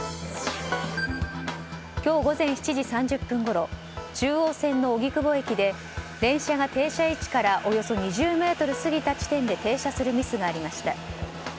今日午前７時３０分ごろ中央線の荻窪駅で電車が停車位置からおよそ２０ｍ過ぎた地点で停車するミスがありました。